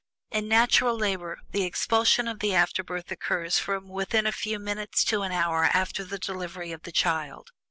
In natural labor, the expulsion of the afterbirth occurs from within a few minutes to an hour after the delivery of the child.